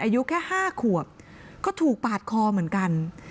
อายุแค่๕ขวบก็ถูกปาดคอเหมือนกัน